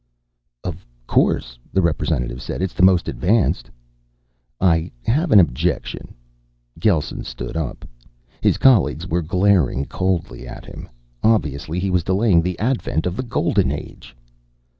"Of course," the representative said. "It's the most advanced." "I have an objection." Gelsen stood up. His colleagues were glaring coldly at him. Obviously he was delaying the advent of the golden age.